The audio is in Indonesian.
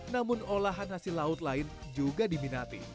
namun olahan hasil laut lain juga diminati